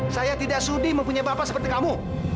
saya tidak sudi mempunyai bapak seperti kamu